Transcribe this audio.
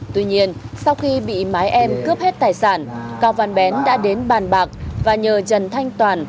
tuy nhiên sau khi bị mái em cướp hết tài sản cao văn bén đã đến bàn bạc và nhờ trần thanh toàn